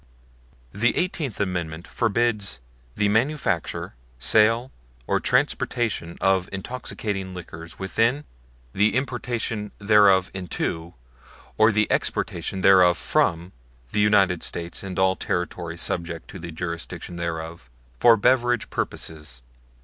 THE Eighteenth Amendment forbids "the manufacture, sale or transportation of intoxicating liquors within, the importation thereof into, or the exportation thereof from the United States and all territory subject to the jurisdiction thereof for beverage purposes."